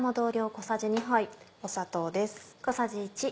砂糖です。